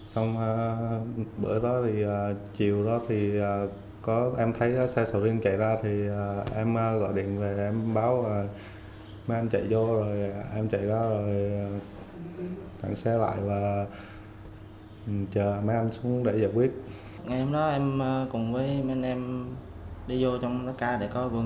xong bữa đó thì chiều đó thì em thấy xe sầu riêng chạy ra thì em gọi điện về em báo là mấy anh chạy vô